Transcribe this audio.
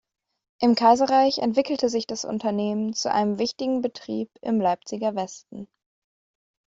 Im Kaiserreich entwickelte sich das Unternehmen zu einem wichtigen Betrieb im Leipziger Westen.